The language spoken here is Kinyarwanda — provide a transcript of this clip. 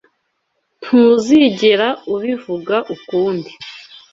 Ntuzigera ubivuga ukundi.